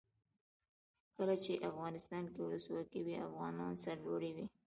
کله چې افغانستان کې ولسواکي وي افغانان سرلوړي وي.